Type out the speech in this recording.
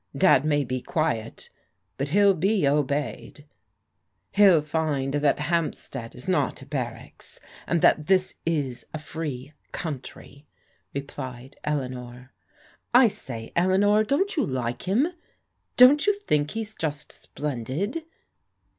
Dad may be quiet ; but he'll be obeyed." He'll find that Hampstead is not a barracks, and that this is a free coimtry," replied Eleanor. " I say, Eleanor, don't you like him? Don't you think he's just splendid?